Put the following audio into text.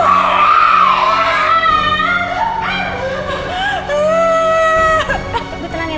kita coba keluar ya